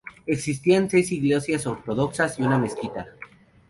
Existían seis iglesias ortodoxas y una mezquita.